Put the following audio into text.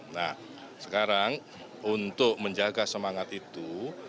nah sekarang untuk menjaga semangat itu